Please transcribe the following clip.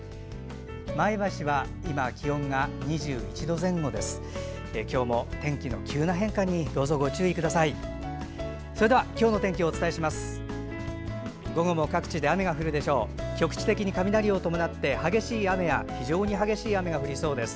前橋は今、気温が２１度前後です。